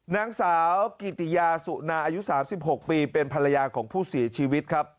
นางสาวกิติยาสุนาอายุ๓๖ปีเป็นภรรยาของผู้เสียชีวิตครับ